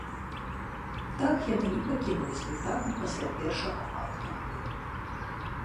Так яны і пакінулі спектакль пасля першага акта.